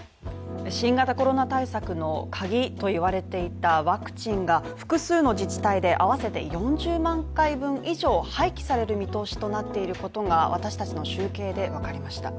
新型コロナ対策の鍵と言われていたワクチンが複数の自治体で合わせて４０万回分以上廃棄される見通しとなっていることが私達の集計でわかりました。